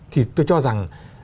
thì tôi cho rằng